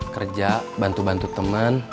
kerja bantu bantu temen